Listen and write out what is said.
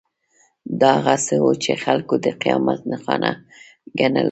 دا هغه څه وو چې خلکو د قیامت نښانه ګڼله.